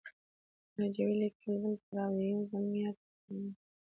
لهجوي ليکل بل پړاو دی، يو ځل معيار ته کار وکړئ!